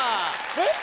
えっ？